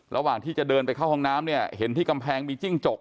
ระหว่างที่จะเดินไปเข้าห้องน้ำเนี่ยเห็นที่กำแพงมีจิ้งจก